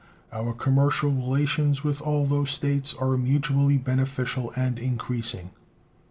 Our commercial relations with all those States are mutually beneficial and increasing.